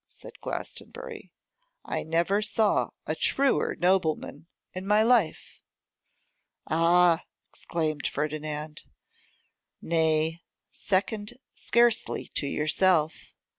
said Glastonbury. 'I never saw a truer nobleman in my life.' 'Ah!' exclaimed Ferdinand. 'Nay, second scarcely to yourself!